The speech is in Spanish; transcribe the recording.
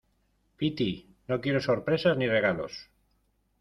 piti, no quiero sorpresas ni regalos